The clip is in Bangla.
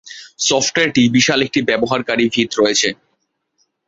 সফটওয়্যারটি বিশাল একটি ব্যবহারকারী ভিত রয়েছে।